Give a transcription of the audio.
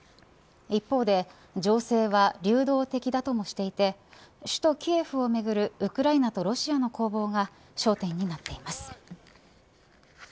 一方で、情勢は流動的だともしていて首都キエフをめぐるウクライナとロシアの攻防が焦点になっています。